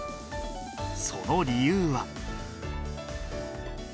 その理由は。